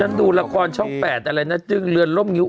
ฉันดูละครช่องสัก๘อะไรหน้าแต้งเลือดล้มงิ้ว